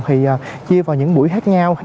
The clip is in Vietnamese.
thì chia vào những buổi khác nhau